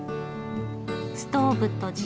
ストーブと地